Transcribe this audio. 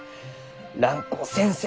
蘭光先生